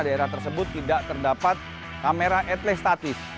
daerah tersebut tidak terdapat kamera etle statis